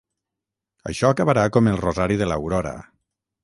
Això acabarà com el rosari de l'Aurora!